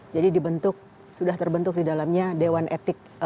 jadi dibentuk sudah terbentuk di dalamnya dewan etik